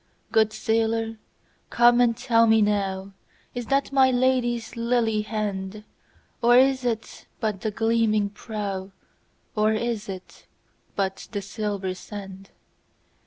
Good sailor come and tell me nowIs that my Lady's lily hand? Or is it but the gleaming prow, Or is it but the silver sand?